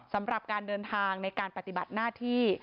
สำหรับการเดินทางในการปฏิบัติหน้าที่